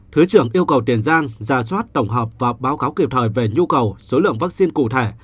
thứ trưởng yêu cầu tiền giang ra soát tổng hợp và báo cáo kịp thời về nhu cầu số lượng vaccine cụ thể